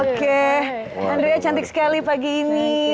oke andrea cantik sekali pagi ini